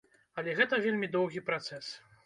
Але гэта вельмі доўгі працэс.